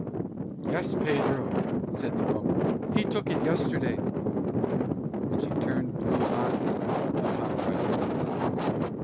"Yes, Pedro," said the woman, "he took it yesterday." And she turned blue eyes upon Rodriguez.